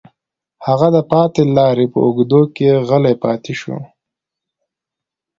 هغه د پاتې لارې په اوږدو کې غلی پاتې شو